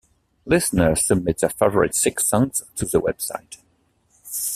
Listeners submit their favorite six songs to the website.